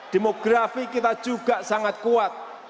demografi kita juga sangat kuat